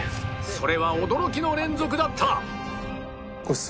それは驚きの連続だった！